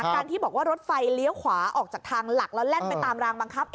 การที่บอกว่ารถไฟเลี้ยวขวาออกจากทางหลักแล้วแล่นไปตามรางบังคับ